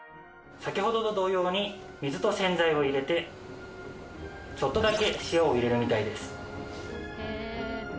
先ほどと同様に水と洗剤を入れてちょっとだけ塩を入れるみたいです。